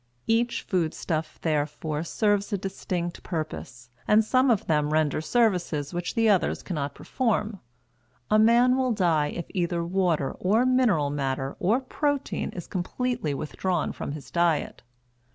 Each food stuff, therefore, serves a distinct purpose, and some of them render services which the others cannot perform. A man will die if either water or mineral matter or protein is completely withdrawn from his diet.